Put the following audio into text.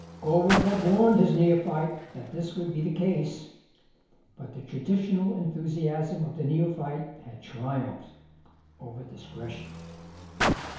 Gorworth had warned his neophyte that this would be the case, but the traditional enthusiasm of the neophyte had triumphed over discretion.